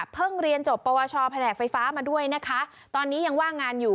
เรียนจบปวชแผนกไฟฟ้ามาด้วยนะคะตอนนี้ยังว่างงานอยู่